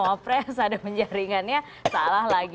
sama pres ada penjaringannya salah lagi